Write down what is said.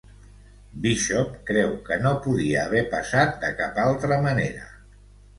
Bishop creu que no podia haver passat de cap altra manera.